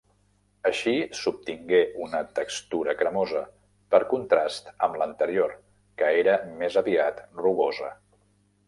Així s'obtingué una textura cremosa, per contrast amb l'anterior que era més aviat rugosa.